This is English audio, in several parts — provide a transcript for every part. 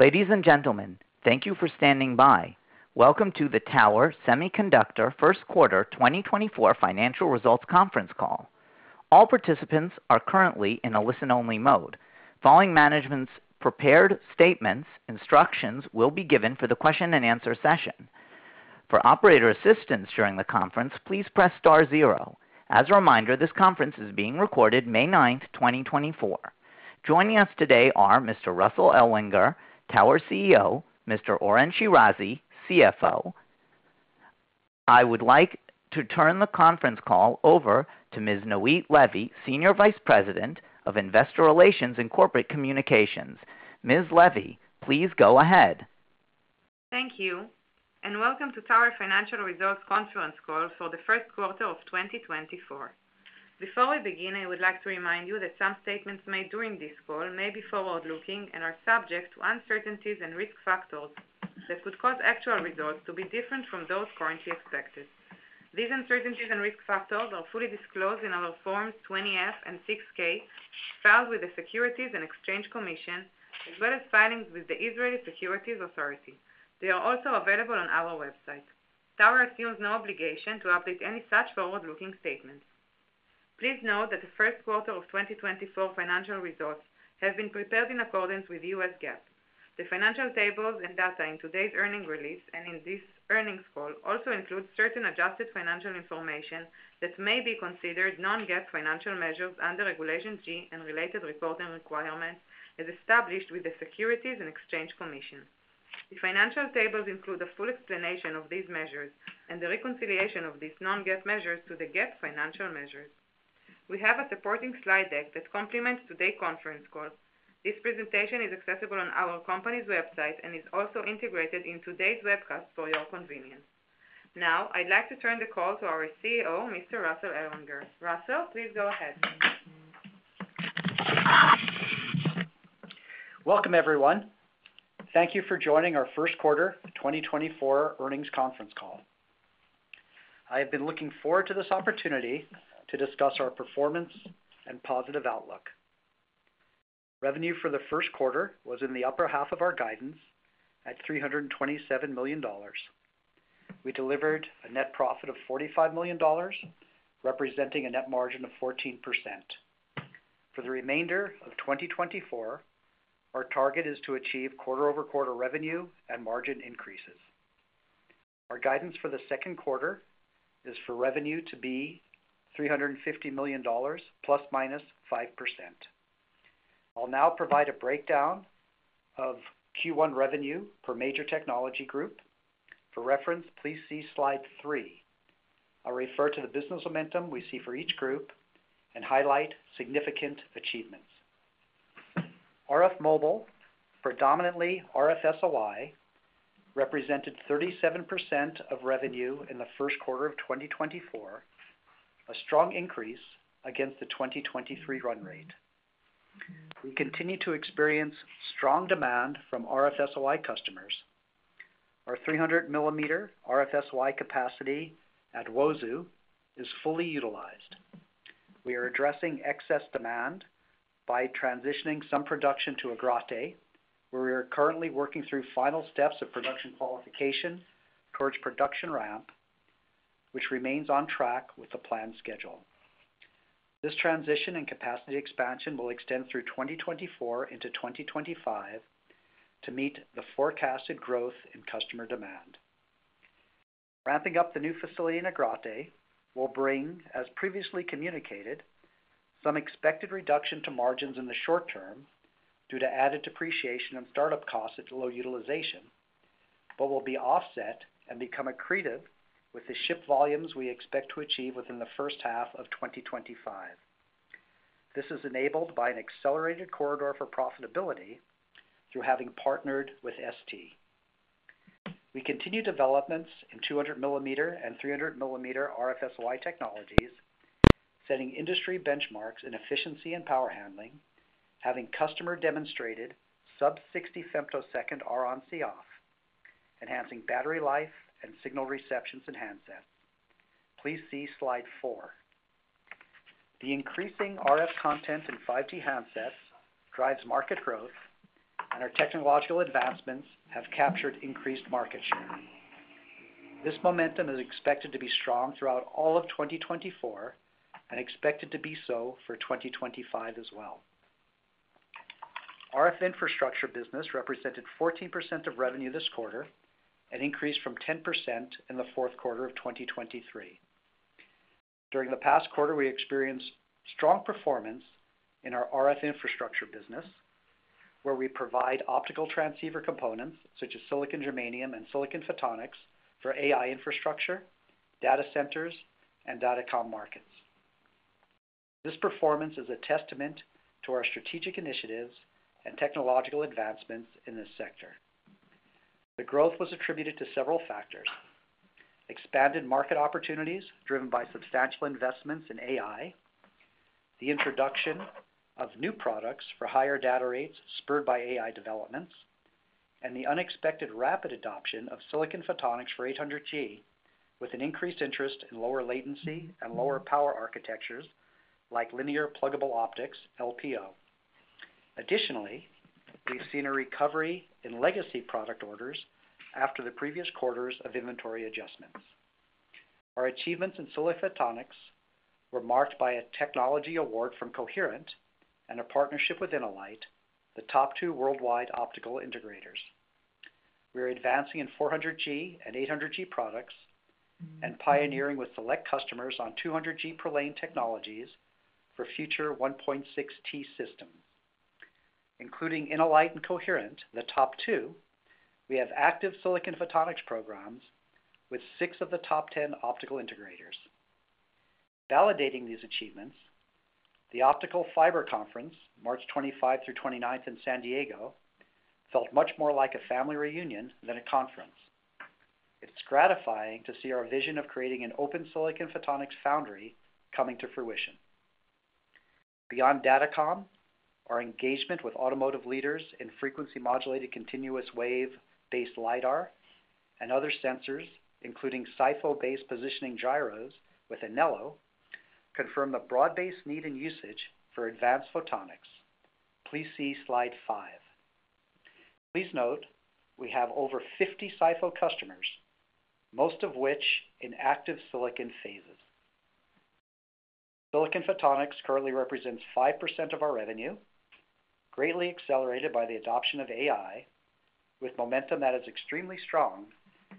Ladies and gentlemen, thank you for standing by. Welcome to the Tower Semiconductor First Quarter 2024 Financial Results Conference Call. All participants are currently in a listen-only mode. Following management's prepared statements, instructions will be given for the question-and-answer session. For operator assistance during the conference, please press star 0. As a reminder, this conference is being recorded May 9, 2024. Joining us today are Mr. Russell Ellwanger, Tower CEO; Mr. Oren Shirazi, CFO. I would like to turn the conference call over to Ms. Noit Levy, Senior Vice President of Investor Relations and Corporate Communications. Ms. Levy, please go ahead. Thank you, and welcome to Tower Financial Results Conference Call for the first quarter of 2024. Before we begin, I would like to remind you that some statements made during this call may be forward-looking and are subject to uncertainties and risk factors that could cause actual results to be different from those currently expected. These uncertainties and risk factors are fully disclosed in our Forms 20-F and 6-K filed with the Securities and Exchange Commission, as well as filings with the Israeli Securities Authority. They are also available on our website. Tower assumes no obligation to update any such forward-looking statements. Please note that the first quarter of 2024 financial results have been prepared in accordance with U.S. GAAP. The financial tables and data in today's earnings release and in this earnings call also include certain adjusted financial information that may be considered non-GAAP financial measures under Regulation G and related reporting requirements as established with the Securities and Exchange Commission. The financial tables include a full explanation of these measures and the reconciliation of these non-GAAP measures to the GAAP financial measures. We have a supporting slide deck that complements today's conference call. This presentation is accessible on our company's website and is also integrated in today's webcast for your convenience. Now, I'd like to turn the call to our CEO, Mr. Russell Ellwanger. Russell, please go ahead. Welcome, everyone. Thank you for joining our first quarter 2024 earnings conference call. I have been looking forward to this opportunity to discuss our performance and positive outlook. Revenue for the first quarter was in the upper half of our guidance at $327 million. We delivered a net profit of $45 million, representing a net margin of 14%. For the remainder of 2024, our target is to achieve quarter-over-quarter revenue and margin increases. Our guidance for the second quarter is for revenue to be $350 million ±5%. I'll now provide a breakdown of Q1 revenue per major technology group. For reference, please see Slide three. I'll refer to the business momentum we see for each group and highlight significant achievements. RF Mobile, predominantly RF-SOI, represented 37% of revenue in the first quarter of 2024, a strong increase against the 2023 run rate. We continue to experience strong demand from RF-SOI customers. Our 300 mm RF-SOI capacity at Uozu is fully utilized. We are addressing excess demand by transitioning some production to Agrate, where we are currently working through final steps of production qualification towards production ramp, which remains on track with the planned schedule. This transition and capacity expansion will extend through 2024 into 2025 to meet the forecasted growth in customer demand. Ramping up the new facility in Agrate will bring, as previously communicated, some expected reduction to margins in the short term due to added depreciation and startup costs at low utilization, but will be offset and become accretive with the ship volumes we expect to achieve within the first half of 2025. This is enabled by an accelerated corridor for profitability through having partnered with ST. We continue developments in 200 mm and 300 mm RF-SOI technologies, setting industry benchmarks in efficiency and power handling, having customer-demonstrated sub-60 femtosecond Ron x Coff, enhancing battery life and signal receptions in handsets. Please see Slide four. The increasing RF content in 5G handsets drives market growth, and our technological advancements have captured increased market share. This momentum is expected to be strong throughout all of 2024 and expected to be so for 2025 as well. RF infrastructure business represented 14% of revenue this quarter and increased from 10% in the fourth quarter of 2023. During the past quarter, we experienced strong performance in our RF infrastructure business, where we provide optical transceiver components such as silicon germanium and silicon photonics for AI infrastructure, data centers, and datacom markets. This performance is a testament to our strategic initiatives and technological advancements in this sector. The growth was attributed to several factors: expanded market opportunities driven by substantial investments in AI, the introduction of new products for higher data rates spurred by AI developments, and the unexpected rapid adoption of silicon photonics for 800G with an increased interest in lower latency and lower power architectures like linear pluggable optics, LPO. Additionally, we've seen a recovery in legacy product orders after the previous quarters of inventory adjustments. Our achievements in silicon photonics were marked by a technology award from Coherent and a partnership with InnoLight, the top two worldwide optical integrators. We are advancing in 400G and 800G products and pioneering with select customers on 200G per lane technologies for future 1.6T systems. Including InnoLight and Coherent, the top two, we have active silicon photonics programs with six of the top 10 optical integrators. Validating these achievements, the Optical Fiber Conference, March 25-29 in San Diego, felt much more like a family reunion than a conference. It's gratifying to see our vision of creating an open silicon photonics foundry coming to fruition. Beyond datacom, our engagement with automotive leaders in frequency-modulated continuous wave-based LiDAR and other sensors, including SiPho-based positioning gyros with Anello, confirm the broad-based need and usage for advanced photonics. Please see Slide five. Please note we have over 50 SiPho customers, most of which in active silicon phases. Silicon photonics currently represents 5% of our revenue, greatly accelerated by the adoption of AI, with momentum that is extremely strong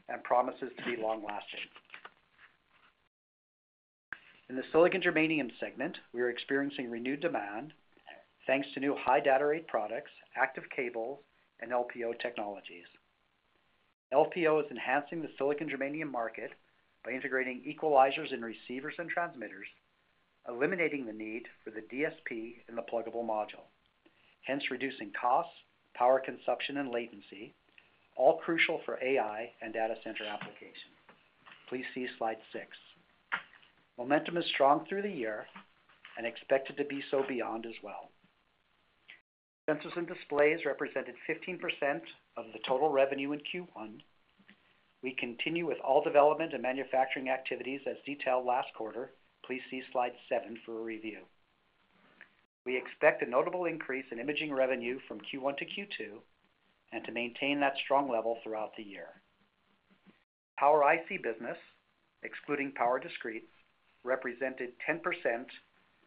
and promises to be long-lasting. In the silicon germanium segment, we are experiencing renewed demand thanks to new high data rate products, active cables, and LPO technologies. LPO is enhancing the silicon germanium market by integrating equalizers in receivers and transmitters, eliminating the need for the DSP in the pluggable module, hence reducing costs, power consumption, and latency, all crucial for AI and data center applications. Please see Slide six. Momentum is strong through the year and expected to be so beyond as well. Sensors and displays represented 15% of the total revenue in Q1. We continue with all development and manufacturing activities as detailed last quarter. Please see Slide seven for a review. We expect a notable increase in imaging revenue from Q1 to Q2 and to maintain that strong level throughout the year. Power IC business, excluding power discrete, represented 10%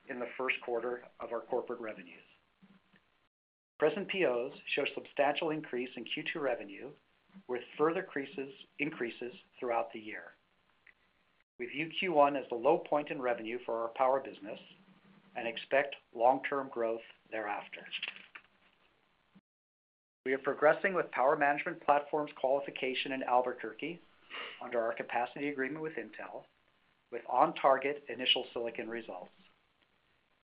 in the first quarter of our corporate revenues. Present POs show substantial increase in Q2 revenue, with further increases throughout the year. We view Q1 as the low point in revenue for our power business and expect long-term growth thereafter. We are progressing with power management platforms qualification in Albuquerque under our capacity agreement with Intel, with on-target initial silicon results.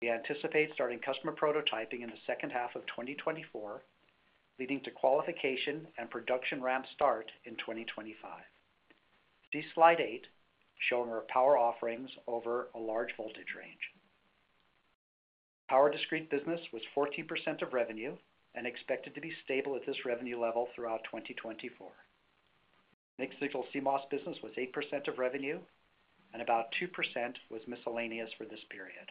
We anticipate starting customer prototyping in the second half of 2024, leading to qualification and production ramp start in 2025. See Slide eight showing our power offerings over a large voltage range. Power discrete business was 14% of revenue and expected to be stable at this revenue level throughout 2024. Mixed signal CMOS business was 8% of revenue, and about 2% was miscellaneous for this period.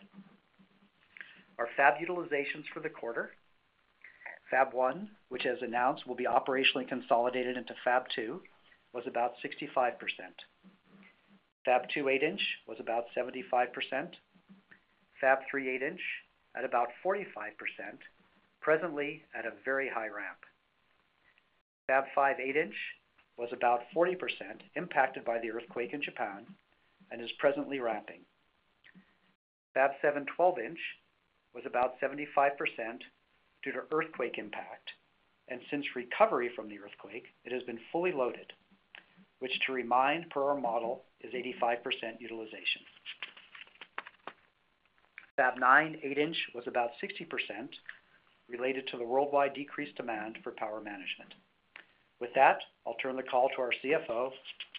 Our Fab utilizations for the quarter, Fab 1, which has announced will be operationally consolidated into Fab 2, was about 65%. Fab 2 8-in was about 75%. Fab 3 8-in at about 45%, presently at a very high ramp. Fab 5 8-in was about 40% impacted by the earthquake in Japan and is presently ramping. Fab 7 12-in was about 75% due to earthquake impact, and since recovery from the earthquake, it has been fully loaded, which, to remind, per our model, is 85% utilization. Fab 9 8-in was about 60%, related to the worldwide decreased demand for power management. With that, I'll turn the call to our CFO,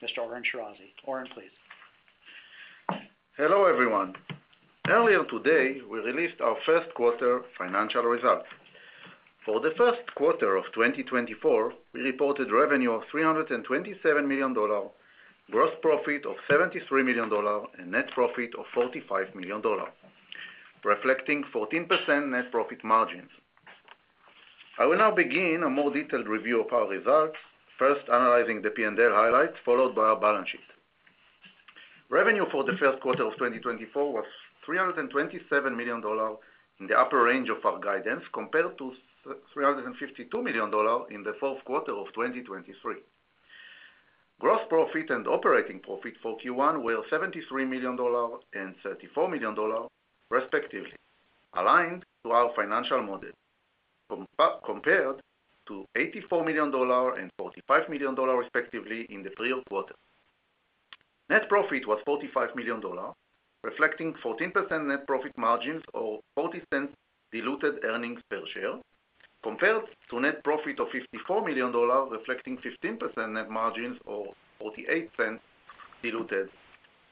Mr. Oren Shirazi. Oren, please. Hello, everyone. Earlier today, we released our first quarter financial results. For the first quarter of 2024, we reported revenue of $327 million, gross profit of $73 million, and net profit of $45 million, reflecting 14% net profit margins. I will now begin a more detailed review of our results, first analyzing the P&L highlights, followed by our balance sheet. Revenue for the first quarter of 2024 was $327 million in the upper range of our guidance compared to $352 million in the fourth quarter of 2023. Gross profit and operating profit for Q1 were $73 million and $34 million, respectively, aligned to our financial model, compared to $84 million and $45 million, respectively, in the prior-year quarter. Net profit was $45 million, reflecting 14% net profit margins or $0.40 diluted earnings per share, compared to net profit of $54 million, reflecting 15% net margins or $0.48 diluted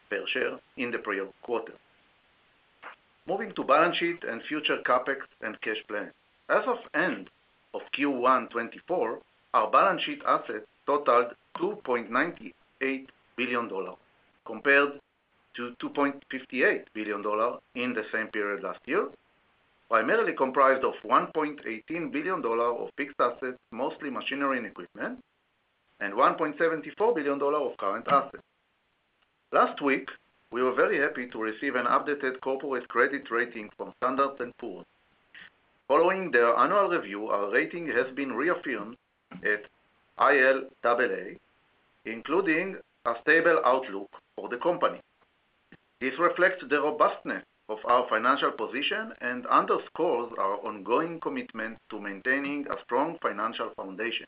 per share in the prior-year quarter. Moving to balance sheet and future CapEx and cash plan. As of the end of Q1 2024, our balance sheet assets totaled $2.98 billion, compared to $2.58 billion in the same period last year, primarily comprised of $1.18 billion of fixed assets, mostly machinery and equipment, and $1.74 billion of current assets. Last week, we were very happy to receive an updated corporate credit rating from Standard & Poor's. Following their annual review, our rating has been reaffirmed at ilAA, including a stable outlook for the company. This reflects the robustness of our financial position and underscores our ongoing commitment to maintaining a strong financial foundation.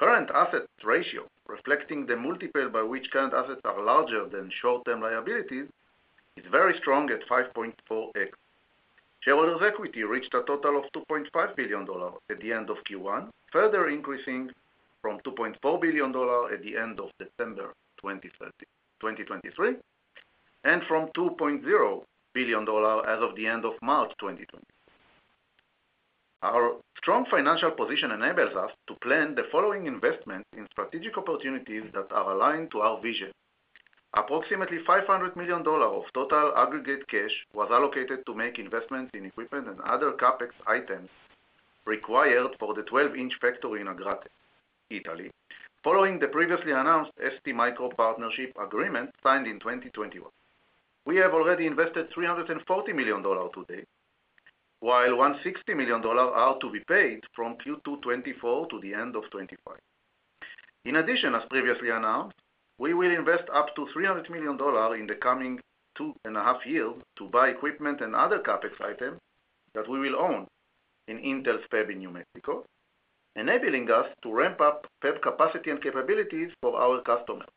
Current assets ratio, reflecting the multiple by which current assets are larger than short-term liabilities, is very strong at 5.4x. Shareholders' equity reached a total of $2.5 billion at the end of Q1, further increasing from $2.4 billion at the end of December 2023 and from $2.0 billion as of the end of March 2023. Our strong financial position enables us to plan the following investments in strategic opportunities that are aligned to our vision. Approximately $500 million of total aggregate cash was allocated to make investments in equipment and other CapEx items required for the 12-in factory in Agrate, Italy, following the previously announced STMicro partnership agreement signed in 2021. We have already invested $340 million today, while $160 million are to be paid from Q2 2024 to the end of 2025. In addition, as previously announced, we will invest up to $300 million in the coming two and a half years to buy equipment and other CapEx items that we will own in Intel's Fab in New Mexico, enabling us to ramp up Fab capacity and capabilities for our customers.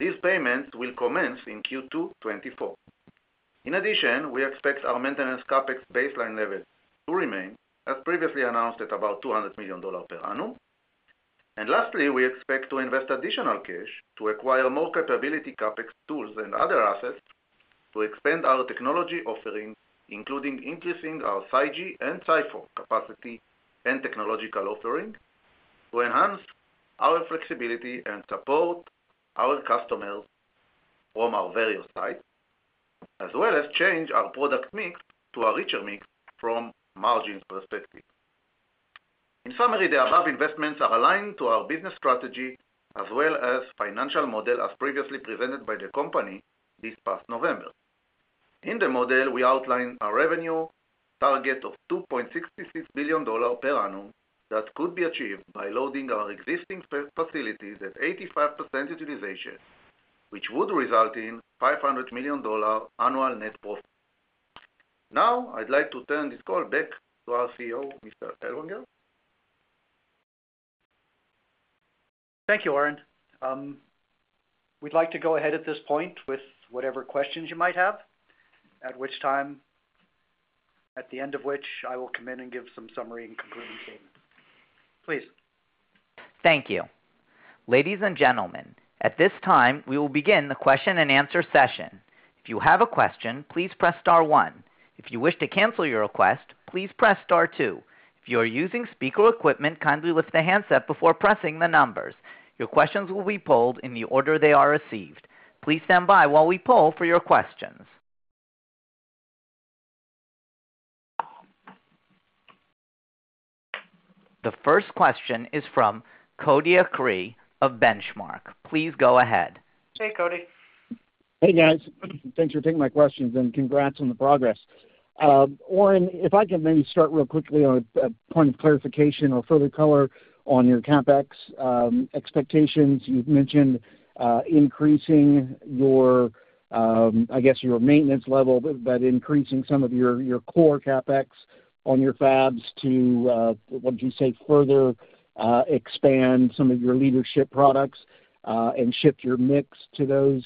These payments will commence in Q2 2024. In addition, we expect our maintenance CapEx baseline level to remain, as previously announced, at about $200 million per annum. And lastly, we expect to invest additional cash to acquire more capability CapEx tools and other assets to expand our technology offering, including increasing our 5G and SiPho capacity and technological offering, to enhance our flexibility and support our customers from our various sites, as well as change our product mix to a richer mix from margins perspective. In summary, the above investments are aligned to our business strategy as well as financial model as previously presented by the company this past November. In the model, we outline a revenue target of $2.66 billion per annum that could be achieved by loading our existing facilities at 85% utilization, which would result in $500 million annual net profit. Now, I'd like to turn this call back to our CEO, Mr. Ellwanger. Thank you, Oren. We'd like to go ahead at this point with whatever questions you might have, at the end of which I will come in and give some summary and concluding statements. Please. Thank you. Ladies and gentlemen, at this time, we will begin the question and answer session. If you have a question, please press star one. If you wish to cancel your request, please press star two. If you are using speaker equipment, kindly lift the handset before pressing the numbers. Your questions will be polled in the order they are received. Please stand by while we poll for your questions. The first question is from Cody Acree of Benchmark. Please go ahead. Hey, Cody. Hey, guys. Thanks for taking my questions and congrats on the progress. Oren, if I can maybe start real quickly on a point of clarification or further color on your CapEx expectations. You've mentioned increasing your, I guess, your maintenance level, but increasing some of your core CapEx on your Fabs to, what would you say, further expand some of your leadership products and shift your mix to those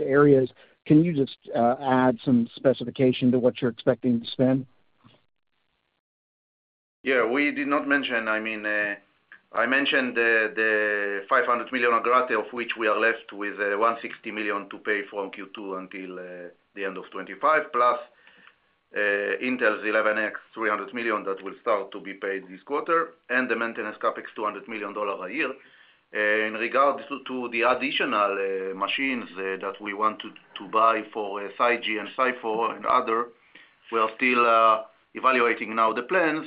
areas. Can you just add some specification to what you're expecting to spend? Yeah, we did not mention. I mean, I mentioned the $500 million Agrate, of which we are left with $160 million to pay from Q2 until the end of 2025, plus Intel's 11X, $300 million that will start to be paid this quarter, and the maintenance CapEx, $200 million a year. In regard to the additional machines that we want to buy for 5G and SiPho and other, we are still evaluating now the plans.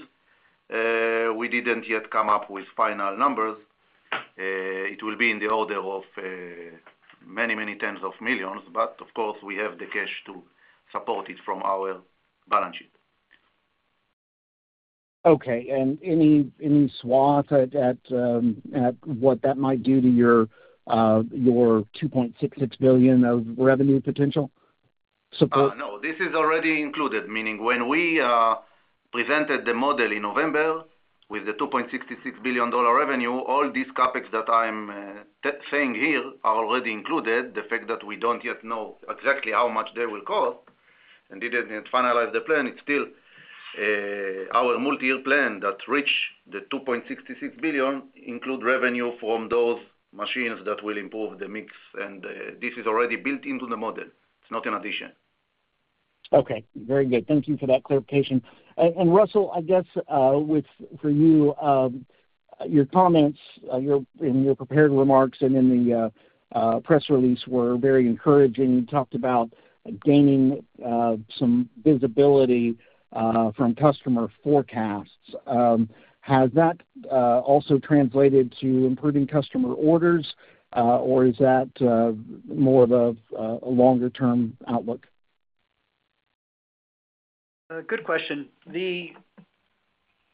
We didn't yet come up with final numbers. It will be in the order of many, many tens of millions, but of course, we have the cash to support it from our balance sheet. Okay. And any of what that might do to your $2.66 billion of revenue potential support? No, this is already included, meaning when we presented the model in November with the $2.66 billion revenue, all these CapEx that I'm saying here are already included, the fact that we don't yet know exactly how much they will cost and didn't finalize the plan. It's still our multi-year plan that reached the $2.66 billion include revenue from those machines that will improve the mix, and this is already built into the model. It's not an addition. Okay. Very good. Thank you for that clarification. And Russell, I guess, for you, your comments in your prepared remarks and in the press release were very encouraging. You talked about gaining some visibility from customer forecasts. Has that also translated to improving customer orders, or is that more of a longer-term outlook? Good question. The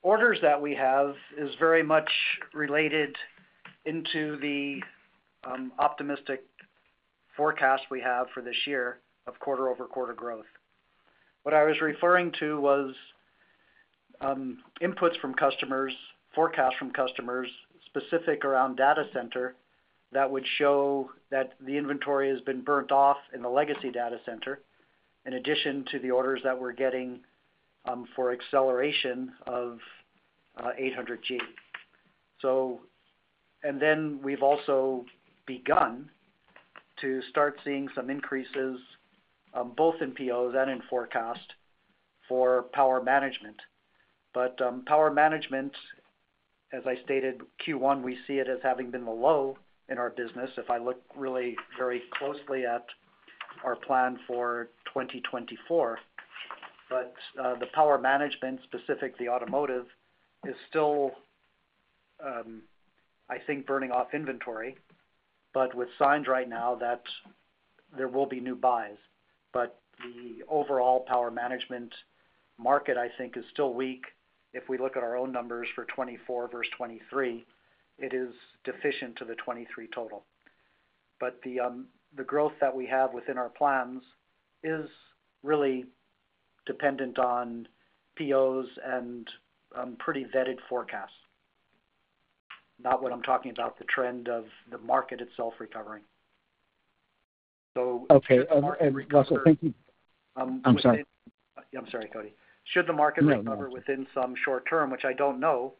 orders that we have are very much related to the optimistic forecast we have for this year of quarter-over-quarter growth. What I was referring to was inputs from customers, forecasts from customers specifically around data center that would show that the inventory has been burned off in the legacy data center in addition to the orders that we're getting for acceleration of 800G. And then we've also begun to start seeing some increases both in POs and in forecast for power management. But power management, as I stated, Q1, we see it as having been the low in our business if I look really very closely at our plan for 2024. But the power management, specifically automotive, is still, I think, burning off inventory, but with signs right now that there will be new buys. But the overall power management market, I think, is still weak. If we look at our own numbers for 2024 versus 2023, it is different from the 2023 total. But the growth that we have within our plans is really dependent on POs and pretty vetted forecasts, not what I'm talking about, the trend of the market itself recovering. So. Okay. Russell, thank you. I'm sorry, Cody. Should the market recover within some short term, which I don't know,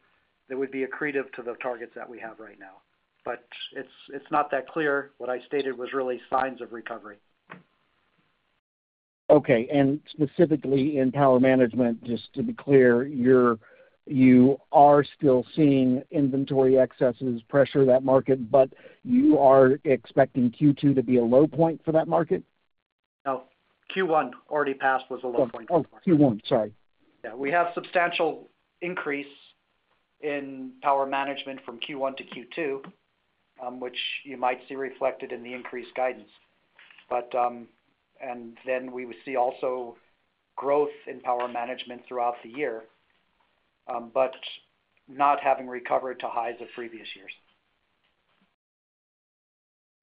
that would be accretive to the targets that we have right now. But it's not that clear. What I stated was really signs of recovery. Okay. And specifically in power management, just to be clear, you are still seeing inventory excesses, pressure, that market, but you are expecting Q2 to be a low point for that market? No, Q1 already passed was a low point for the market. Oh, Q1. Sorry. Yeah. We have substantial increase in power management from Q1 to Q2, which you might see reflected in the increased guidance. And then we would see also growth in power management throughout the year, but not having recovered to highs of previous years.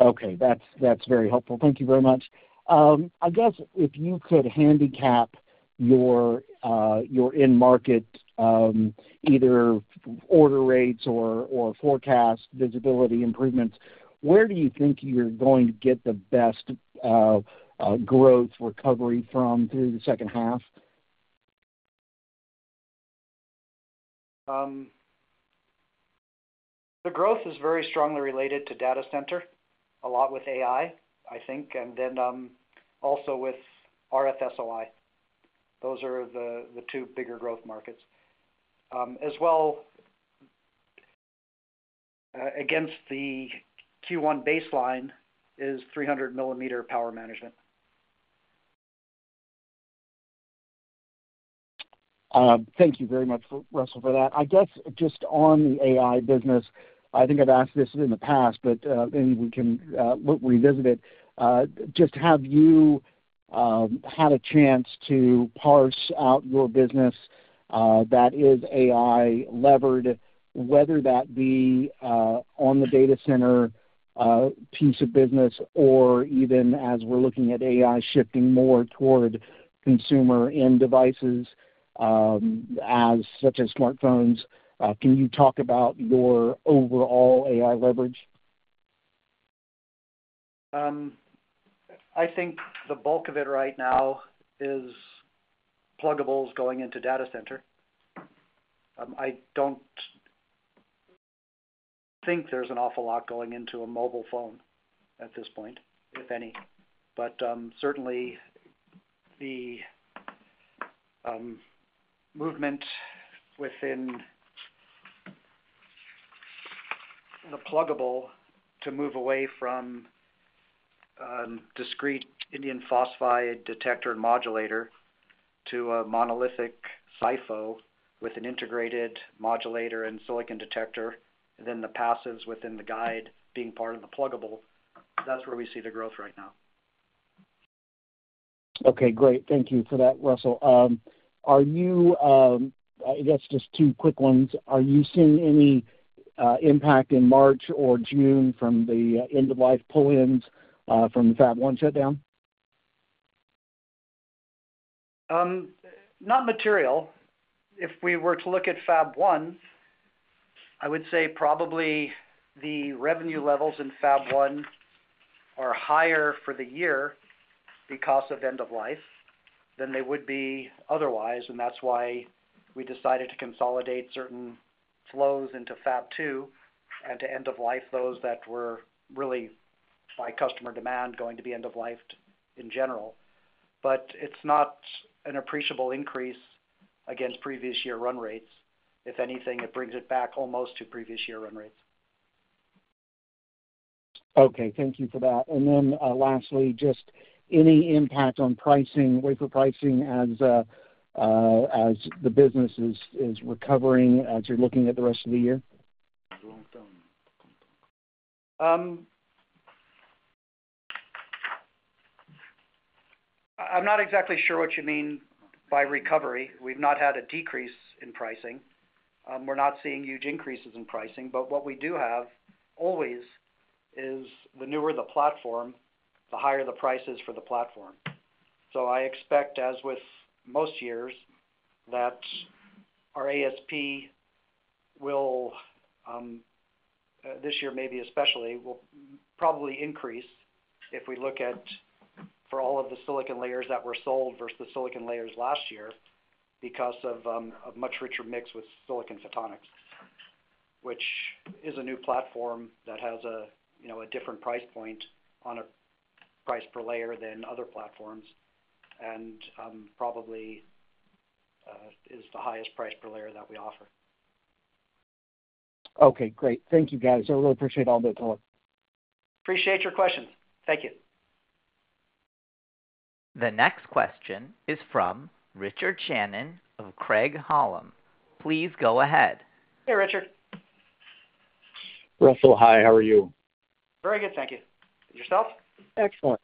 Okay. That's very helpful. Thank you very much. I guess if you could handicap your in-market either order rates or forecast visibility improvements, where do you think you're going to get the best growth recovery from through the second half? The growth is very strongly related to data center, a lot with AI, I think, and then also with RF-SOI. Those are the two bigger growth markets. Against the Q1 baseline is 300 mm power management. Thank you very much, Russell, for that. I guess just on the AI business, I think I've asked this in the past, but we can revisit it. Just have you had a chance to parse out your business that is AI-levered, whether that be on the data center piece of business or even as we're looking at AI shifting more toward consumer-end devices such as smartphones? Can you talk about your overall AI leverage? I think the bulk of it right now is pluggables going into data center. I don't think there's an awful lot going into a mobile phone at this point, if any. But certainly, the movement within the pluggable to move away from discrete indium phosphide detector and modulator to a monolithic SiPho with an integrated modulator and silicon detector, and then the passives within the guide being part of the pluggable, that's where we see the growth right now. Okay. Great. Thank you for that, Russell. I guess just two quick ones. Are you seeing any impact in March or June from the end-of-life pull-ins from the Fab 1 shutdown? Not material. If we were to look at Fab 1, I would say probably the revenue levels in Fab 1 are higher for the year because of end-of-life than they would be otherwise. And that's why we decided to consolidate certain flows into Fab 2 and to end-of-life those that were really by customer demand going to be end-of-life in general. But it's not an appreciable increase against previous year run rates. If anything, it brings it back almost to previous year run rates. Okay. Thank you for that. And then lastly, just any impact on wafer pricing as the business is recovering, as you're looking at the rest of the year? I'm not exactly sure what you mean by recovery. We've not had a decrease in pricing. We're not seeing huge increases in pricing. But what we do have always is the newer the platform, the higher the prices for the platform. So I expect, as with most years, that our ASP will, this year maybe especially, will probably increase if we look at for all of the silicon layers that were sold versus the silicon layers last year because of a much richer mix with silicon photonics, which is a new platform that has a different price point on a price per layer than other platforms and probably is the highest price per layer that we offer. Okay. Great. Thank you, guys. I really appreciate all that talk. Appreciate your questions. Thank you. The next question is from Richard Shannon of Craig-Hallum. Please go ahead. Hey, Richard. Russell, hi. How are you? Very good. Thank you. Yourself? Excellent.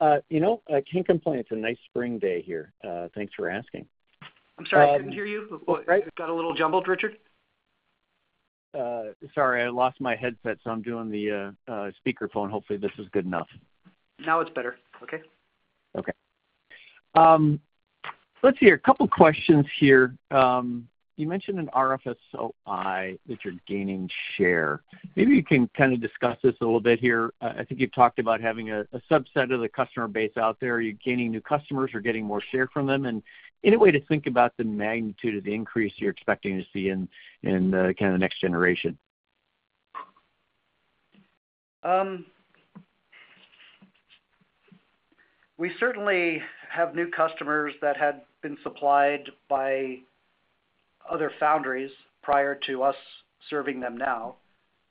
I can't complain. It's a nice spring day here. Thanks for asking. I'm sorry. I couldn't hear you. Got a little jumbled, Richard. Sorry. I lost my headset, so I'm doing the speakerphone. Hopefully, this is good enough. Now it's better. Okay. Okay. Let's see. A couple of questions here. You mentioned an RF-SOI that you're gaining share. Maybe you can kind of discuss this a little bit here. I think you've talked about having a subset of the customer base out there. Are you gaining new customers or getting more share from them? And any way to think about the magnitude of the increase you're expecting to see in kind of the next generation? We certainly have new customers that had been supplied by other foundries prior to us serving them now.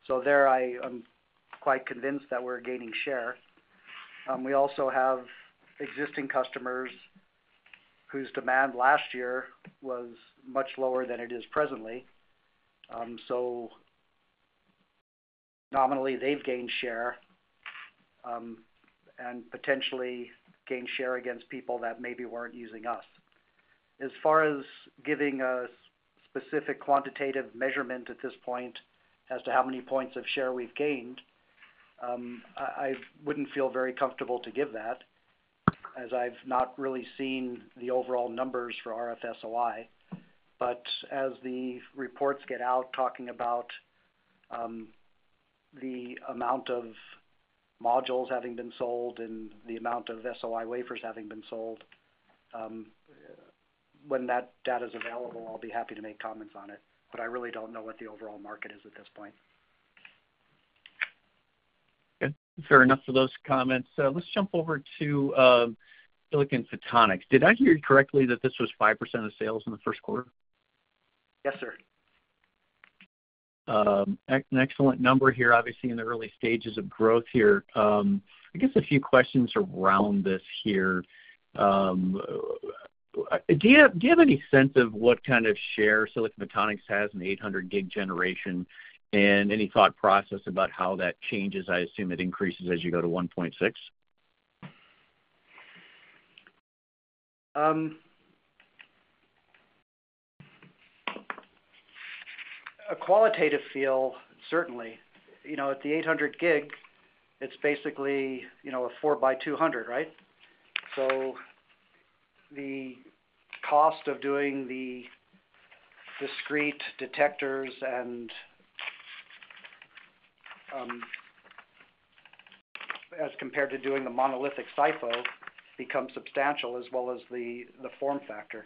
So there, I am quite convinced that we're gaining share. We also have existing customers whose demand last year was much lower than it is presently. So nominally, they've gained share and potentially gained share against people that maybe weren't using us. As far as giving a specific quantitative measurement at this point as to how many points of share we've gained, I wouldn't feel very comfortable to give that as I've not really seen the overall numbers for RF-SOI. But as the reports get out talking about the amount of modules having been sold and the amount of SOI wafers having been sold, when that data is available, I'll be happy to make comments on it. But I really don't know what the overall market is at this point. Fair enough for those comments. Let's jump over to silicon photonics. Did I hear you correctly that this was 5% of sales in the first quarter? Yes, sir. An excellent number here, obviously, in the early stages of growth here. I guess a few questions around this here. Do you have any sense of what kind of share silicon photonics has in the 800G generation and any thought process about how that changes? I assume it increases as you go to 1.6T? A qualitative feel, certainly. At the 800G, it's basically a 4x200, right? So the cost of doing the discrete detectors as compared to doing the monolithic SiPho becomes substantial as well as the form factor.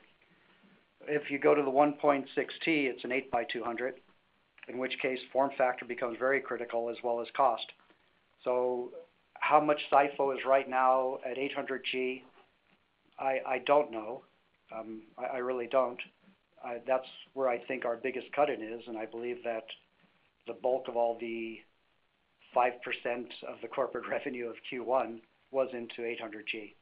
If you go to the 1.6T, it's an 8x200, in which case form factor becomes very critical as well as cost. So how much SiPho is right now at 800G, I don't know. I really don't. That's where I think our biggest cut-in is. And I believe that the bulk of all the 5% of the corporate revenue of Q1 was into 800G.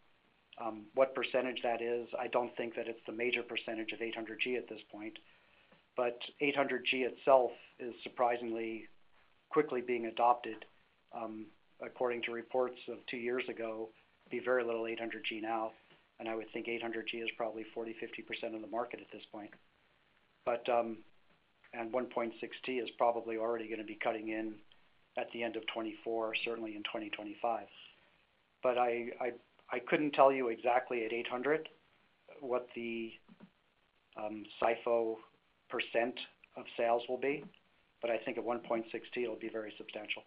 What percentage that is, I don't think that it's the major percentage of 800G at this point. But 800G itself is surprisingly quickly being adopted. According to reports of two years ago, there'd be very little 800G now. I would think 800G is probably 40%-50% of the market at this point. 1.6T is probably already going to be cutting in at the end of 2024, certainly in 2025. I couldn't tell you exactly at 800G what the SiPho percent of sales will be. I think at 1.6T, it'll be very substantial.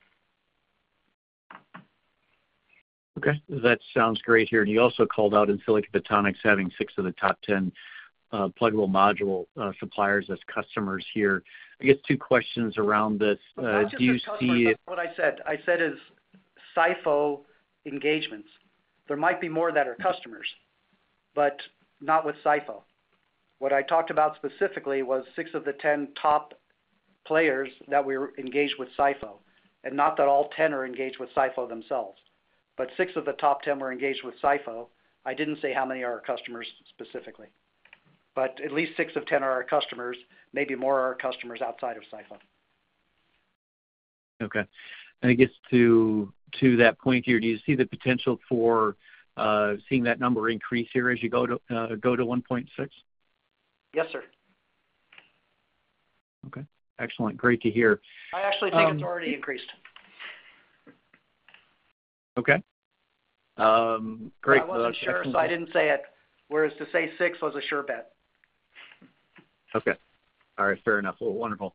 Okay. That sounds great here. And you also called out in silicon photonics having six of the top 10 pluggable module suppliers as customers here. I guess two questions around this. Do you see? What I said is SiPho engagements. There might be more that are customers, but not with SiPho. What I talked about specifically was six of the 10 top players that were engaged with SiPho and not that all 10 are engaged with SiPho themselves. But six of the top 10 were engaged with SiPho. I didn't say how many are our customers specifically. But at least six of 10 are our customers. Maybe more are our customers outside of SiPho. Okay. And I guess to that point here, do you see the potential for seeing that number increase here as you go to 1.6? Yes, sir. Okay. Excellent. Great to hear. I actually think it's already increased. Okay. Great. Well, that's excellent. I wasn't sure if I didn't say it, whereas to say six was a sure bet. Okay. All right. Fair enough. Well, wonderful.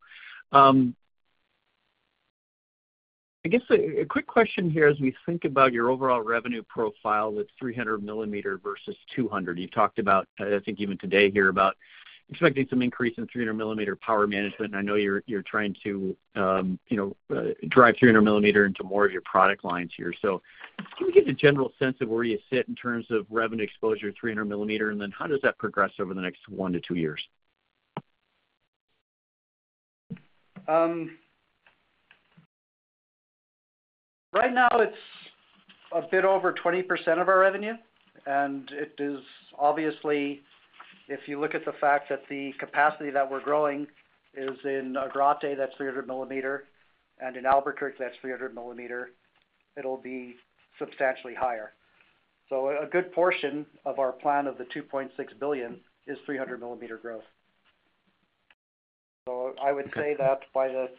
I guess a quick question here as we think about your overall revenue profile with 300 mm versus 200. You've talked about, I think even today here, about expecting some increase in 300 mm power management. And I know you're trying to drive 300 mm into more of your product lines here. So can we get a general sense of where you sit in terms of revenue exposure at 300 mm? And then how does that progress over the next one to two years? Right now, it's a bit over 20% of our revenue. Obviously, if you look at the fact that the capacity that we're growing is in Agrate, that's 300 mm, and in Albuquerque, that's 300 mm, it'll be substantially higher. A good portion of our plan of the $2.6 billion is 300 mm growth. I would say that by the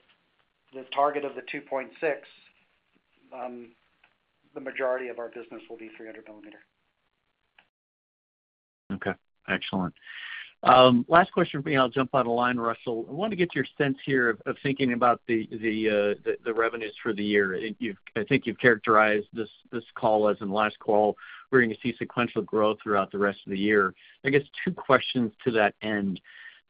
target of the $2.6 billion, the majority of our business will be 300 mm. Okay. Excellent. Last question for me. I'll jump out of line, Russell. I want to get your sense here of thinking about the revenues for the year. I think you've characterized this call as in the last call. We're going to see sequential growth throughout the rest of the year. I guess two questions to that end.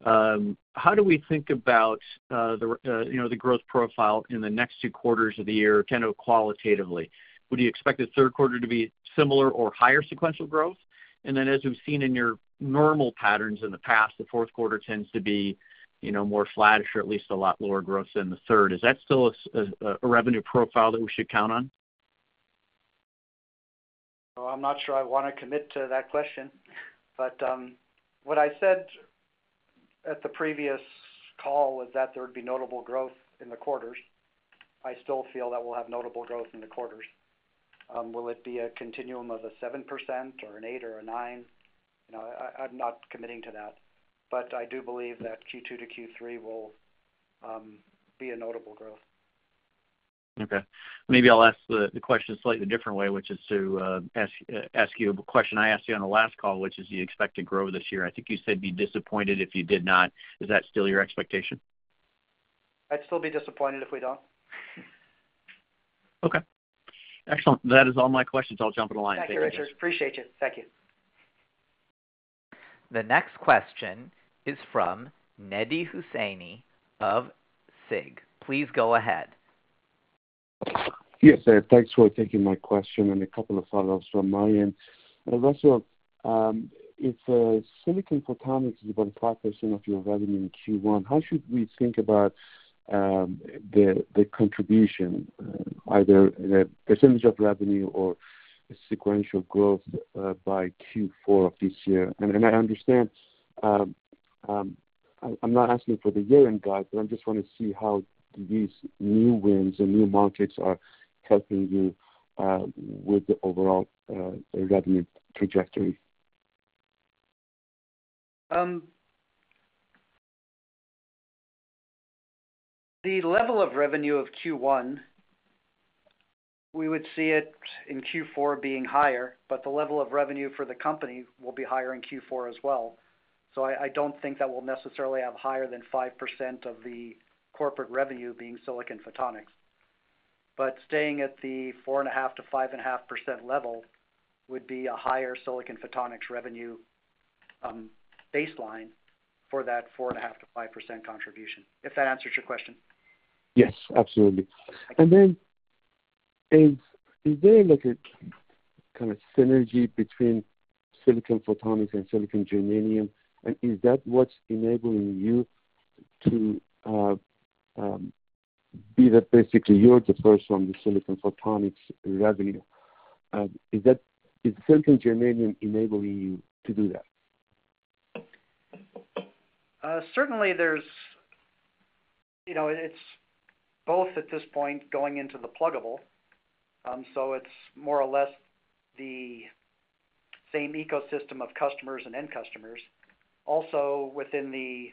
How do we think about the growth profile in the next two quarters of the year kind of qualitatively? Would you expect the third quarter to be similar or higher sequential growth? And then as we've seen in your normal patterns in the past, the fourth quarter tends to be more flattish or at least a lot lower growth than the third. Is that still a revenue profile that we should count on? I'm not sure I want to commit to that question. But what I said at the previous call was that there would be notable growth in the quarters. I still feel that we'll have notable growth in the quarters. Will it be a continuum of a 7% or an 8% or a 9%? I'm not committing to that. But I do believe that Q2 to Q3 will be a notable growth. Okay. Maybe I'll ask the question slightly different way, which is to ask you a question I asked you on the last call, which is you expect to grow this year. I think you said be disappointed if you did not. Is that still your expectation? I'd still be disappointed if we don't. Okay. Excellent. That is all my questions. I'll jump out of line. Thank you. Thank you, Richard. Appreciate you. Thank you. The next question is from Mehdi Hosseini of SIG. Please go ahead. Yes, sir. Thanks for taking my question and a couple of follow-ups from my end. Russell, if silicon photonics is about 5% of your revenue in Q1, how should we think about the contribution, either the percentage of revenue or sequential growth by Q4 of this year? And I understand I'm not asking for the year-end guide, but I just want to see how these new wins and new markets are helping you with the overall revenue trajectory? The level of revenue of Q1, we would see it in Q4 being higher. But the level of revenue for the company will be higher in Q4 as well. So I don't think that we'll necessarily have higher than 5% of the corporate revenue being silicon photonics. But staying at the 4.5%-5.5% level would be a higher silicon photonics revenue baseline for that 4.5%-5% contribution, if that answers your question. Yes. Absolutely. And then is there a kind of synergy between silicon photonics and silicon germanium? And is that what's enabling you to be the basically, you're the first on the silicon photonics revenue? Is silicon germanium enabling you to do that? Certainly, it's both at this point going into the pluggable. So it's more or less the same ecosystem of customers and end customers. Also, within the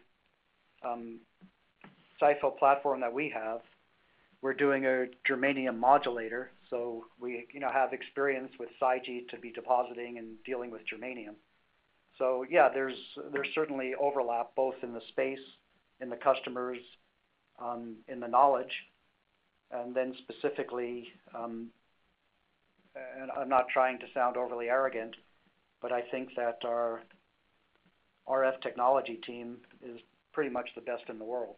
SiPho platform that we have, we're doing a germanium modulator. So we have experience with SiGe to be depositing and dealing with germanium. So yeah, there's certainly overlap both in the space, in the customers, in the knowledge. And then specifically, and I'm not trying to sound overly arrogant, but I think that our RF technology team is pretty much the best in the world.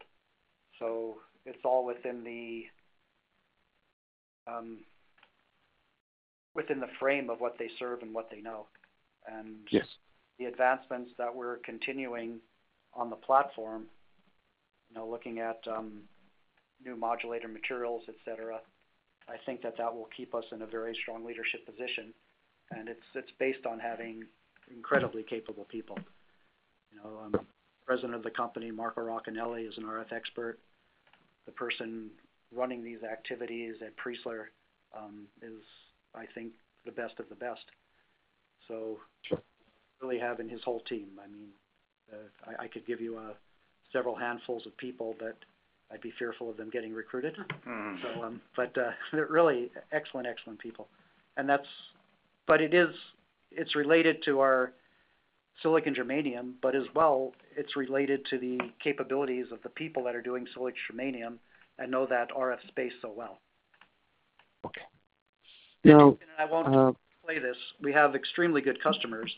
So it's all within the frame of what they serve and what they know. And the advancements that we're continuing on the platform, looking at new modulator materials, etc., I think that that will keep us in a very strong leadership position. And it's based on having incredibly capable people. President of the company, Marco Racanelli, is an RF expert. The person running these activities Ed Preisler is, I think, the best of the best. So really having his whole team. I mean, I could give you several handfuls of people, but I'd be fearful of them getting recruited. But really, excellent, excellent people. But it's related to our silicon germanium, but as well, it's related to the capabilities of the people that are doing silicon germanium and know that RF space so well. And I won't play this. We have extremely good customers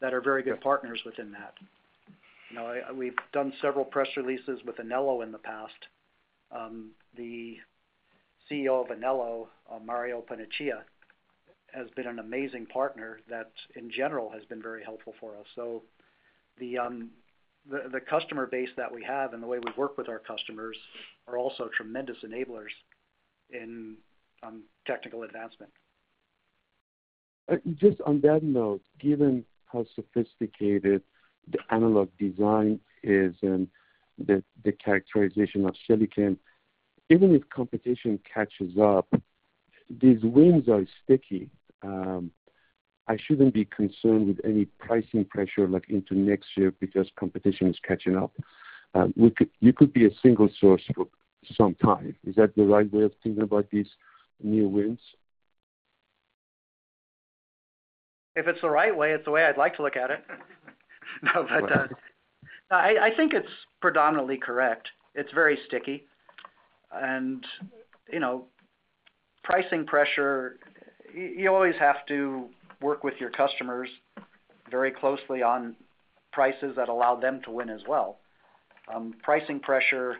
that are very good partners within that. We've done several press releases with Anello in the past. The CEO of Anello, Mario Paniccia, has been an amazing partner that, in general, has been very helpful for us. The customer base that we have and the way we work with our customers are also tremendous enablers in technical advancement. Just on that note, given how sophisticated the analog design is and the characterization of silicon, even if competition catches up, these wins are sticky. I shouldn't be concerned with any pricing pressure into next year because competition is catching up. You could be a single source for some time. Is that the right way of thinking about these new wins? If it's the right way, it's the way I'd like to look at it. But no, I think it's predominantly correct. It's very sticky. Pricing pressure, you always have to work with your customers very closely on prices that allow them to win as well. Pricing pressure,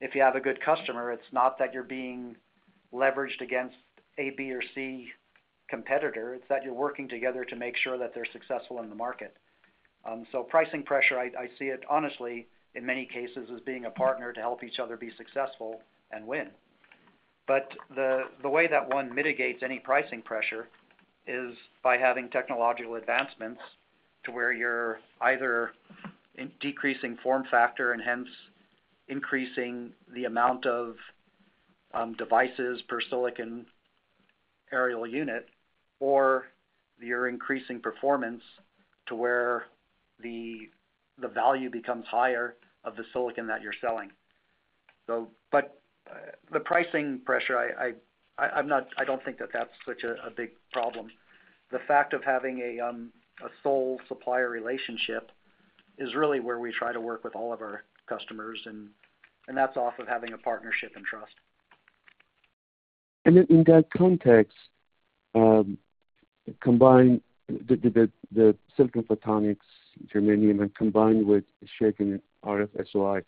if you have a good customer, it's not that you're being leveraged against A, B, or C competitor. It's that you're working together to make sure that they're successful in the market. Pricing pressure, I see it, honestly, in many cases, as being a partner to help each other be successful and win. But the way that one mitigates any pricing pressure is by having technological advancements to where you're either decreasing form factor and hence increasing the amount of devices per silicon area unit, or you're increasing performance to where the value becomes higher of the silicon that you're selling. But the pricing pressure, I don't think that that's such a big problem. The fact of having a sole supplier relationship is really where we try to work with all of our customers. That's off of having a partnership and trust. And then in that context, the silicon photonics, germanium, and combined with SiGe and RF-SOI,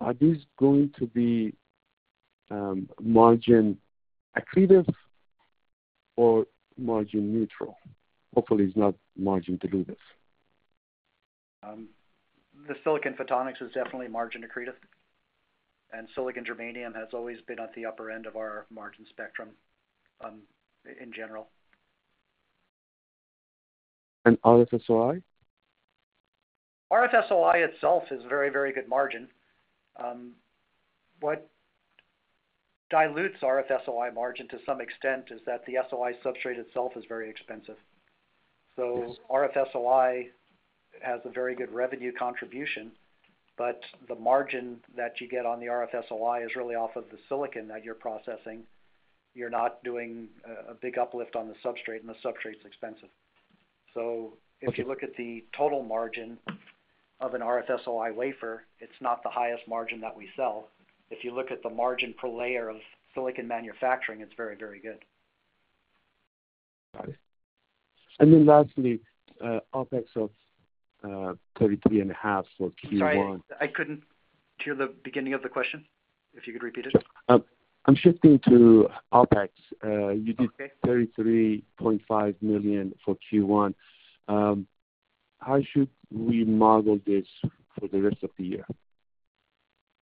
are these going to be margin accretive or margin neutral? Hopefully, it's not margin dilutive. The silicon photonics is definitely margin accretive. Silicon germanium has always been at the upper end of our margin spectrum in general. And RF-SOI? RF-SOI itself is very, very good margin. What dilutes RF-SOI margin to some extent is that the SOI substrate itself is very expensive. So RF-SOI has a very good revenue contribution, but the margin that you get on the RF-SOI is really off of the silicon that you're processing. You're not doing a big uplift on the substrate, and the substrate's expensive. So if you look at the total margin of an RF-SOI wafer, it's not the highest margin that we sell. If you look at the margin per layer of silicon manufacturing, it's very, very good. Got it. And then lastly, OpEx of $33.5 for Q1. Sorry. I couldn't hear the beginning of the question. If you could repeat it. I'm shifting to OpEx. You did $33.5 million for Q1. How should we model this for the rest of the year?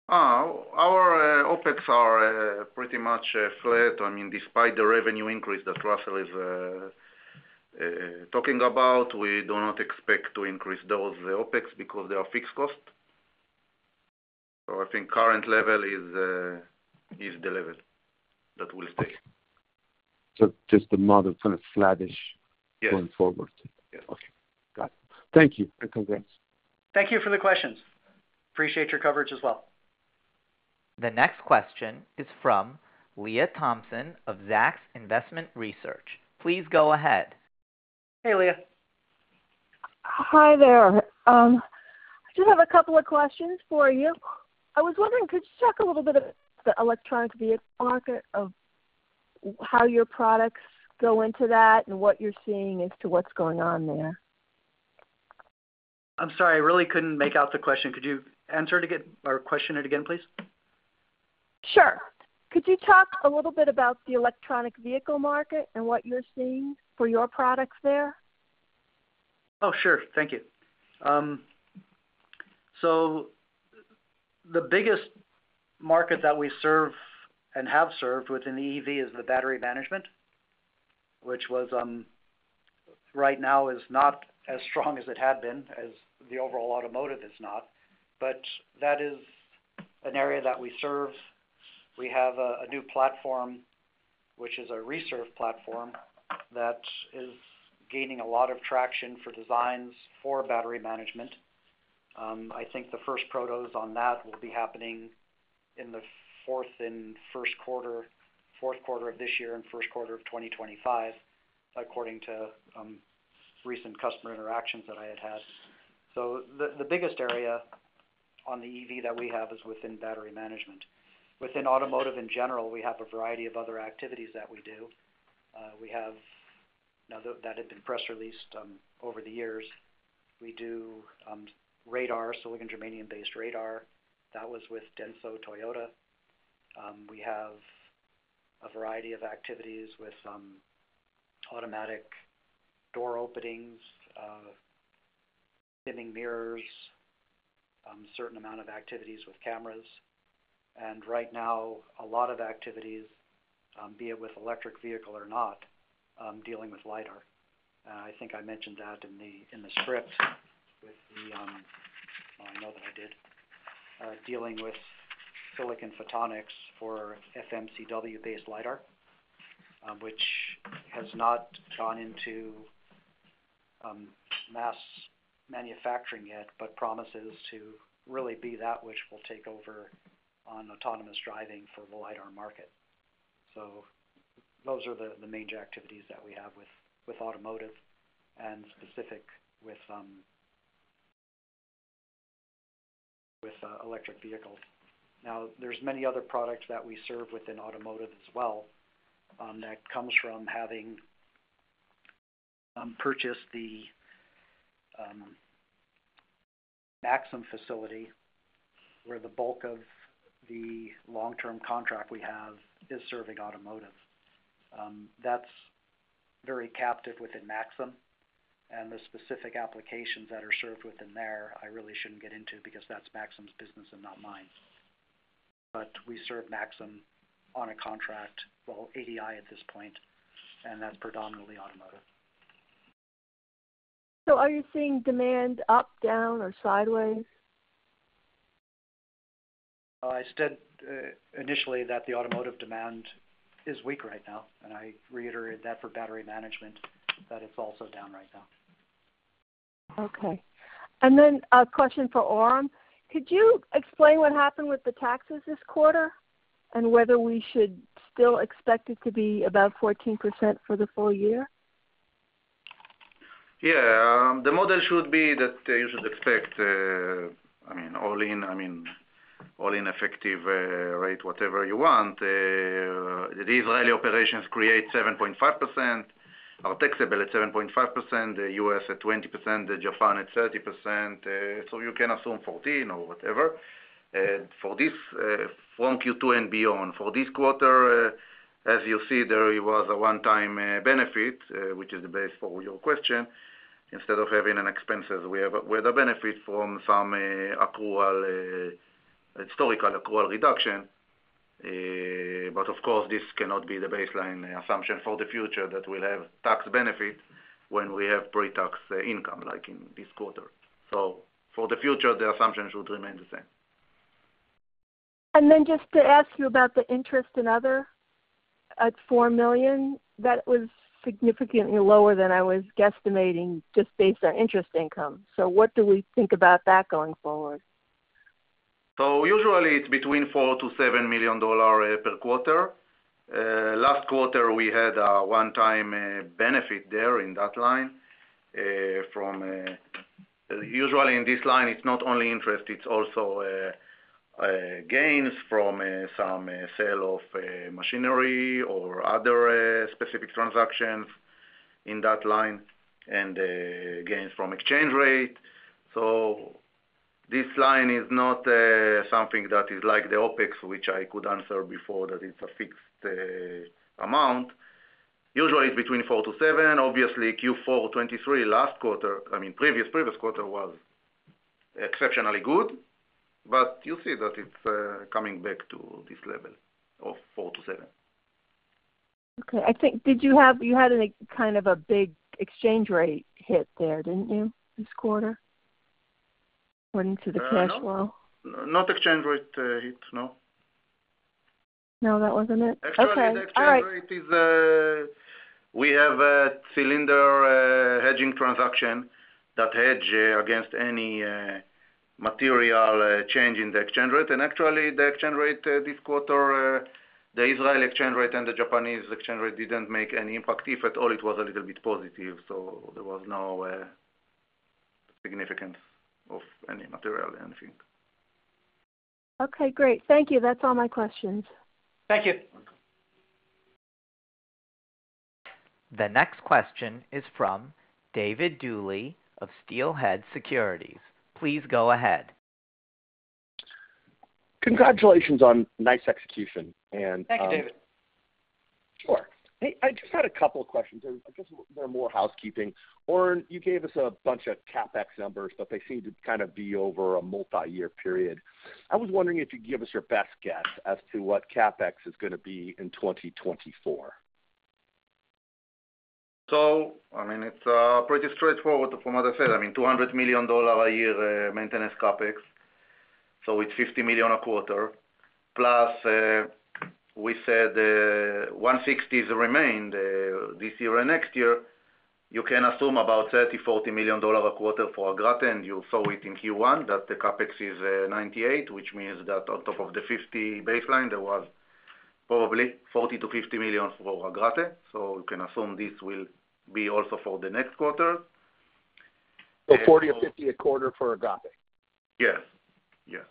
Our OpEx are pretty much flat. I mean, despite the revenue increase that Russell is talking about, we do not expect to increase those OpEx because they are fixed cost. I think current level is the level that will stay. Just a model kind of flattish going forward? Yes. Okay. Got it. Thank you and congrats. Thank you for the questions. Appreciate your coverage as well. The next question is from Lisa Thompson of Zacks Investment Research. Please go ahead. Hey, Lisa. Hi there. I just have a couple of questions for you. I was wondering, could you talk a little bit about the electric vehicle market, how your products go into that, and what you're seeing as to what's going on there? I'm sorry. I really couldn't make out the question. Could you answer our question again, please? Sure. Could you talk a little bit about the electronic vehicle market and what you're seeing for your products there? Oh, sure. Thank you. So the biggest market that we serve and have served within the EV is the battery management, which right now is not as strong as it had been, as the overall automotive is not. But that is an area that we serve. We have a new platform, which is a BCD platform, that is gaining a lot of traction for designs for battery management. I think the first prototypes on that will be happening in the fourth and first quarter of this year and first quarter of 2025, according to recent customer interactions that I had had. So the biggest area on the EV that we have is within battery management. Within automotive in general, we have a variety of other activities that we do. That had been press-released over the years. We do silicon germanium-based radar. That was with DENSO Toyota. We have a variety of activities with automatic door openings, dimming mirrors, a certain amount of activities with cameras. Right now, a lot of activities, be it with electric vehicle or not, dealing with LiDAR. And I think I mentioned that in the script with the—oh, I know that I did. Dealing with silicon photonics for FMCW-based LiDAR, which has not gone into mass manufacturing yet but promises to really be that which will take over on autonomous driving for the LiDAR market. So those are the major activities that we have with automotive and specific with electric vehicles. Now, there's many other products that we serve within automotive as well that comes from having purchased the Maxim facility where the bulk of the long-term contract we have is serving automotive. That's very captive within Maxim. The specific applications that are served within there, I really shouldn't get into because that's Maxim's business and not mine. We serve Maxim on a contract, well, ADI at this point, and that's predominantly automotive. Are you seeing demand up, down, or sideways? I said initially that the automotive demand is weak right now. I reiterated that for battery management, that it's also down right now. Okay. And then a question for Oren. Could you explain what happened with the taxes this quarter and whether we should still expect it to be above 14% for the full year? Yeah. The model should be that you should expect, I mean, all-in effective rate, whatever you want. The Israeli operations create 7.5%. Our taxable at 7.5%, the U.S. at 20%, Japan at 30%. So you can assume 14 or whatever. From Q2 and beyond, for this quarter, as you see, there was a one-time benefit, which is the base for your question. Instead of having expenses, we had a benefit from some historical accrual reduction. But of course, this cannot be the baseline assumption for the future that we'll have tax benefit when we have pre-tax income like in this quarter. So for the future, the assumption should remain the same. Then just to ask you about the interest in other at $4 million, that was significantly lower than I was guesstimating just based on interest income. What do we think about that going forward? So usually, it's between $4 million-$7 million per quarter. Last quarter, we had a one-time benefit there in that line. Usually, in this line, it's not only interest. It's also gains from some sale of machinery or other specific transactions in that line and gains from exchange rate. So this line is not something that is like the OpEx, which I could answer before that it's a fixed amount. Usually, it's between $4 million-$7 million. Obviously, Q4 2023, last quarter I mean, previous quarter was exceptionally good. But you see that it's coming back to this level of $4 million-$7 million. Okay. Did you have kind of a big exchange rate hit there, didn't you, this quarter, according to the cash flow? Not exchange rate hit, no. No, that wasn't it? Actually, the exchange rate is we have a cylinder hedging transaction that hedge against any material change in the exchange rate. Actually, the exchange rate this quarter, the Israeli exchange rate and the Japanese exchange rate didn't make any impact. If at all, it was a little bit positive. So there was no significance of any material or anything. Okay. Great. Thank you. That's all my questions. Thank you. The next question is from David Duley of Steelhead Securities. Please go ahead. Congratulations on nice execution. Thank you, David. Sure. I just had a couple of questions. I guess they're more housekeeping. Oren, you gave us a bunch of CapEx numbers, but they seem to kind of be over a multi-year period. I was wondering if you could give us your best guess as to what CapEx is going to be in 2024? So, I mean, it's pretty straightforward from what I said. I mean, $200 million a year maintenance CapEx. So it's $50 million a quarter. Plus, we said $160 million remain this year and next year. You can assume about $30 million-$40 million a quarter for Agrate. And you saw it in Q1 that the CapEx is $98 million, which means that on top of the $50 million baseline, there was probably $40 million-$50 million for Agrate. So you can assume this will be also for the next quarter. So 40 or 50 a quarter for Agrate? Yes. Yes.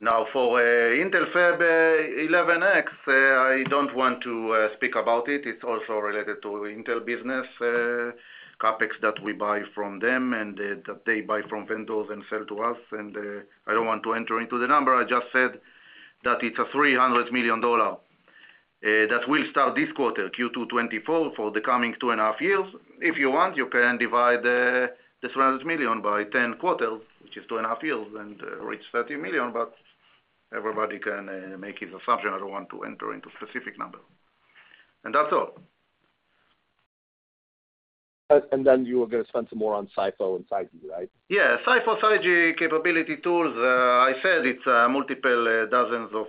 Now, for Intel Fab 11X, I don't want to speak about it. It's also related to Intel business CapEx that we buy from them and that they buy from vendors and sell to us. I don't want to enter into the number. I just said that it's a $300 million that will start this quarter, Q2 2024, for the coming two and a half years. If you want, you can divide the $300 million by 10 quarters, which is two and a half years, and reach $30 million. But everybody can make his assumption. I don't want to enter into specific number. That's all. And then you were going to spend some more on SiPho and SiGe, right? Yeah. SiPho, SiGe, capability tools. I said it's multiple dozens of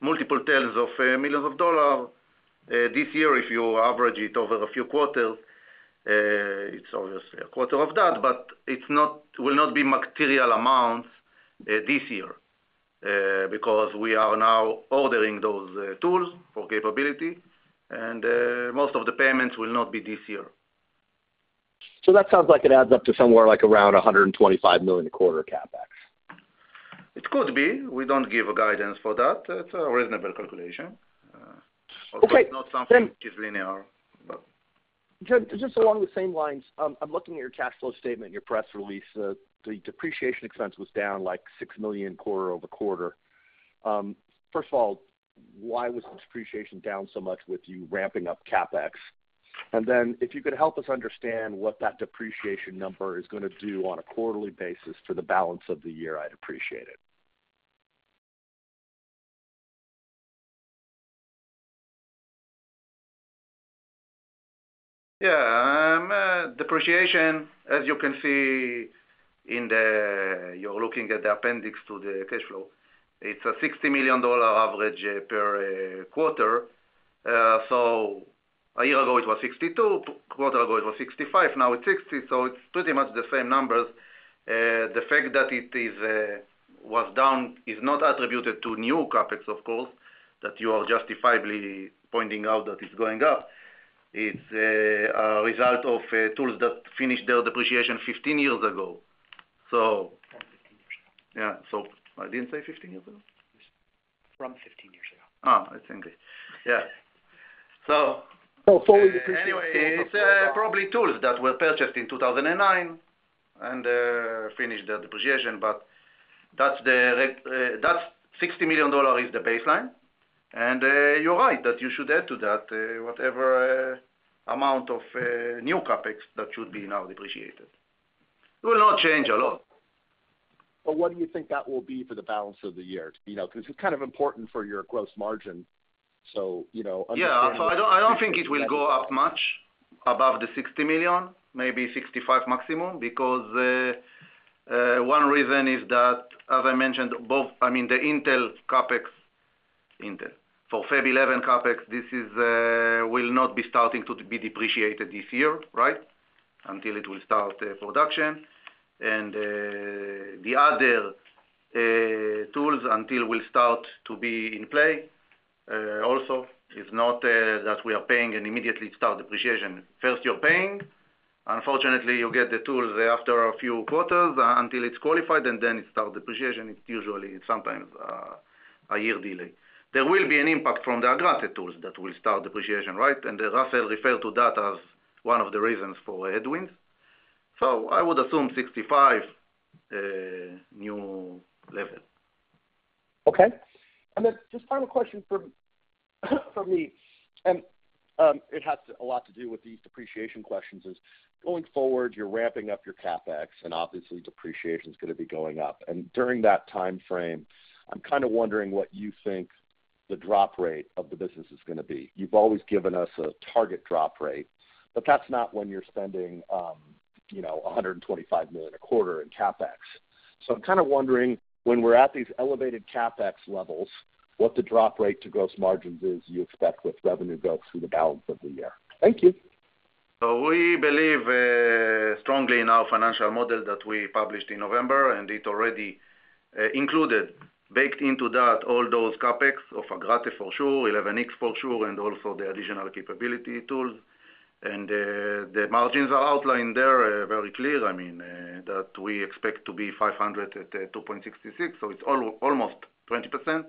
multiple tens of millions of dollars. This year, if you average it over a few quarters, it's obviously a quarter of that. But it will not be material amounts this year because we are now ordering those tools for capability. And most of the payments will not be this year. That sounds like it adds up to somewhere around $125 million a quarter CapEx. It could be. We don't give a guidance for that. It's a reasonable calculation. It's not something which is linear, but. Just along the same lines, I'm looking at your cash flow statement, your press release. The depreciation expense was down like $6 million quarter-over-quarter. First of all, why was the depreciation down so much with you ramping up CapEx? And then if you could help us understand what that depreciation number is going to do on a quarterly basis for the balance of the year? I'd appreciate it. Yeah. Depreciation, as you can see in the appendix you're looking at to the cash flow, it's a $60 million average per quarter. So a year ago, it was $62 million. A quarter ago, it was $65 million. Now, it's $60 million. So it's pretty much the same numbers. The fact that it was down is not attributed to new CapEx, of course, that you are justifiably pointing out that it's going up. It's a result of tools that finished their depreciation 15 years ago. So. Yeah. So I didn't say 15 years ago? Yes. From 15 years ago. Oh, it's English. Yeah. So. So fully depreciated. Anyway, probably tools that were purchased in 2009 and finished their depreciation. But that's $60 million is the baseline. And you're right that you should add to that whatever amount of new CapEx that should be now depreciated. It will not change a lot. But what do you think that will be for the balance of the year? Because it's kind of important for your gross margin. So understanding. Yeah. So I don't think it will go up much above the $60 million, maybe $65 million maximum because one reason is that, as I mentioned, I mean, the Intel CapEx for Fab 11X CapEx, this will not be starting to be depreciated this year, right, until it will start production. And the other tools until we'll start to be in play also is not that we are paying and immediately start depreciation. First, you're paying. Unfortunately, you get the tools after a few quarters until it's qualified, and then it starts depreciation. It's usually sometimes a year delay. There will be an impact from the Agrate tools that will start depreciation, right? And Russell referred to that as one of the reasons for headwinds. So I would assume $65 million new level. Okay. And then just final question from me. And it has a lot to do with these depreciation questions is going forward, you're ramping up your CapEx, and obviously, depreciation is going to be going up. And during that time frame, I'm kind of wondering what you think the drop rate of the business is going to be? You've always given us a target drop rate, but that's not when you're spending $125 million a quarter in CapEx. So I'm kind of wondering when we're at these elevated CapEx levels, what the drop rate to gross margins is you expect with revenue growth through the balance of the year? Thank you. We believe strongly in our financial model that we published in November, and it already included, baked into that, all those CapEx of Agrate for sure, 11X for sure, and also the additional capability tools. The margins are outlined there very clear, I mean, that we expect to be $500 at $2.66. It's almost 20%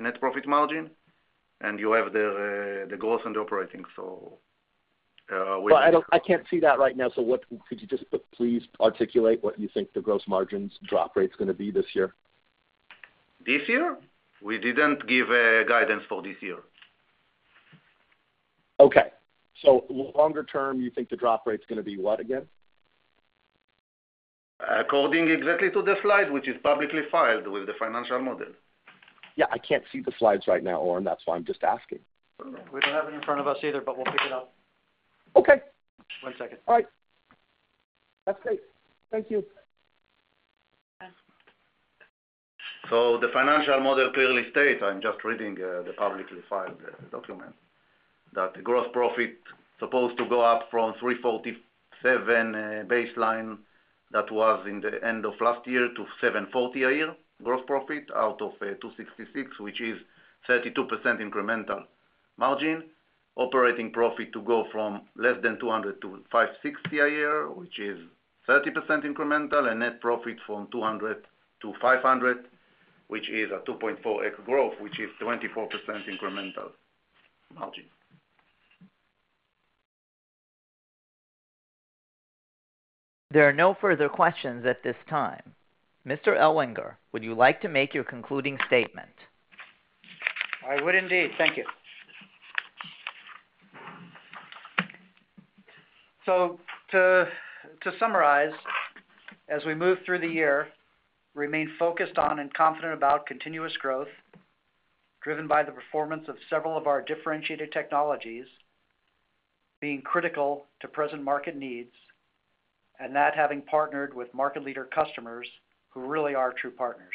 net profit margin. You have the gross and the operating. We. I can't see that right now. Could you just please articulate what you think the gross margins drop rate is going to be this year? This year? We didn't give guidance for this year. Okay. So longer term, you think the drop rate is going to be what again? According exactly to the Slide, which is publicly filed with the financial model. Yeah. I can't see the Slides right now, Oren. That's why I'm just asking. We don't have it in front of us either, but we'll pick it up. Okay. One second. All right. That's great. Thank you. The financial model clearly states I'm just reading the publicly filed document that the gross profit is supposed to go up from $347 baseline that was in the end of last year to $740 a year gross profit out of $266, which is 32% incremental margin. Operating profit to go from less than $200 to $560 a year, which is 30% incremental, and net profit from $200 to $500, which is a 2.4x growth, which is 24% incremental margin. There are no further questions at this time. Mr. Ellwanger, would you like to make your concluding statement? I would indeed. Thank you. To summarize, as we move through the year, remain focused on and confident about continuous growth driven by the performance of several of our differentiated technologies, being critical to present market needs, and that having partnered with market leader customers who really are true partners.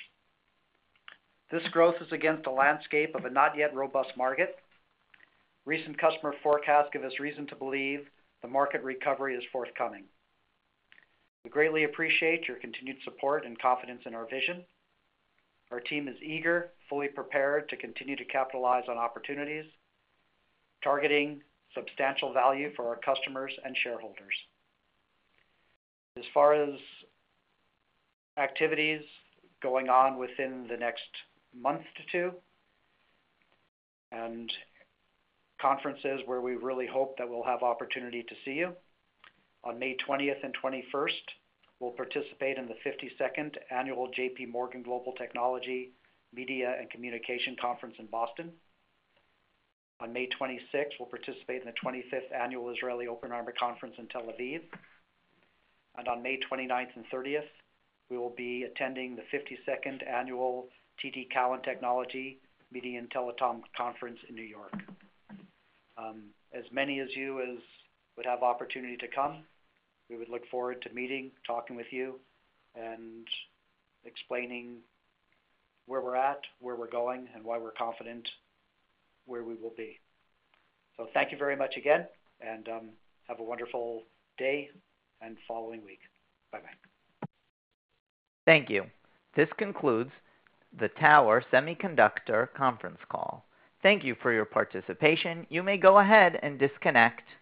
This growth is against a landscape of a not yet robust market. Recent customer forecasts give us reason to believe the market recovery is forthcoming. We greatly appreciate your continued support and confidence in our vision. Our team is eager, fully prepared to continue to capitalize on opportunities targeting substantial value for our customers and shareholders. As far as activities going on within the next month to two and conferences where we really hope that we'll have opportunity to see you, on May 20th and 21st, we'll participate in the 52nd Annual J.P. Morgan Global Technology, Media and Communications Conference in Boston. On May 26th, we'll participate in the 25th Annual Oppenheimer Israel Conference in Tel Aviv. And on May 29th and 30th, we will be attending the 52nd Annual TD Cowen Technology, Media and Telecom Conference in New York. As many of you as would have opportunity to come, we would look forward to meeting, talking with you, and explaining where we're at, where we're going, and why we're confident where we will be. So thank you very much again, and have a wonderful day and following week. Bye-bye. Thank you. This concludes the Tower Semiconductor Conference call. Thank you for your participation. You may go ahead and disconnect.